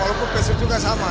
walaupun pesir juga sama